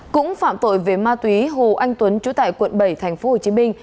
cũng phạm tội về ma túy hồ anh tuấn chú tải quận bảy tp hồ chí minh